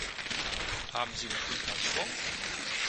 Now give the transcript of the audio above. Haben Sie noch den Kassenbon?